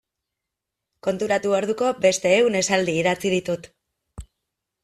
Konturatu orduko beste ehun esaldi idatzi ditut.